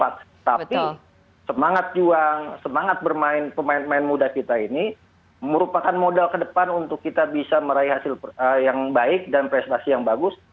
tapi semangat juang semangat bermain pemain pemain muda kita ini merupakan modal ke depan untuk kita bisa meraih hasil yang baik dan prestasi yang bagus